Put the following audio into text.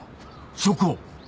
職を。